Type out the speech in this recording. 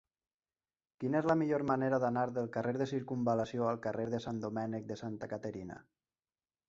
Quina és la millor manera d'anar del carrer de Circumval·lació al carrer de Sant Domènec de Santa Caterina?